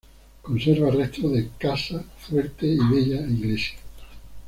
Conserva restos de casa fuerte y bella iglesia.